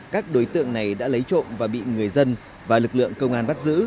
các đối tượng này đã lấy trộm và bị người dân và lực lượng công an bắt giữ